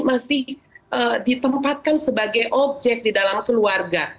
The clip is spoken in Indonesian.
masih ditempatkan sebagai objek di dalam keluarga